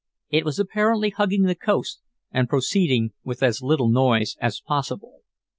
It was apparently hugging the coast and proceeding with as little noise as possible.